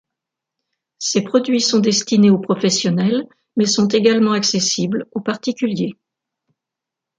Ces produits sont destinés aux professionnels mais sont également accessibles aux particuliers.